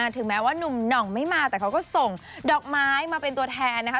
ถึงแม้ว่านุ่มหน่องไม่มาแต่เขาก็ส่งดอกไม้มาเป็นตัวแทนนะคะ